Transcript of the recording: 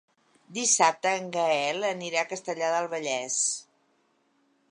Dissabte en Gaël anirà a Castellar del Vallès.